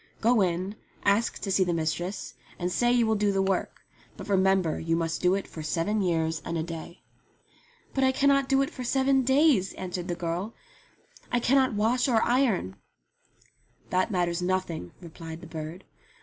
"Go in, ask to see the mistress, and say you will do the work ; but remember you must do it for seven years and a day." "But I cannot do it for seven days," answered the girl. "I cannot wash or iron." "That matters nothing," replied the bird.